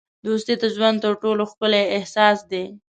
دوستي د ژوند تر ټولو ښکلی احساس دی.